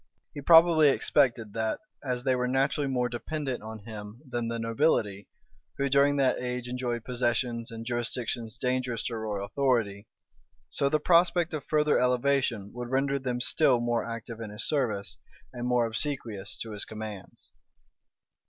[*] He probably expected that, as they were naturally more dependent on him than the nobility, who during that age enjoyed possessions and jurisdictions dangerous to royal authority, so the prospect of further elevation would render them still more active in his service, and more obsequious to his commands.